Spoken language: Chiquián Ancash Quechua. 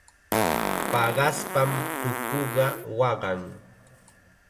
Paqaspam tukuqa waqan.